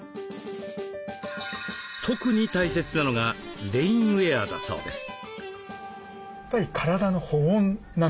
特に大切なのがレインウエアだそうです。